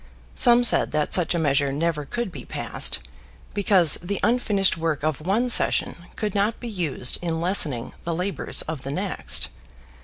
Some said that such a measure never could be passed, because the unfinished work of one session could not be used in lessening the labours of the next.